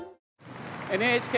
「ＮＨＫ